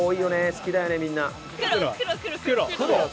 好きだよねみんな。